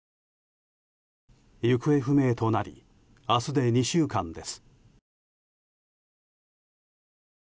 行方不明となり明日で２週間です。